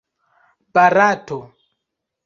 barato